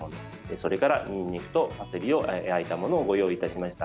それからにんにくとパセリをあえたものをご用意いたしました。